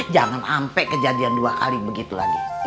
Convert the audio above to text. jangan sampai kejadian dua kali begitu lagi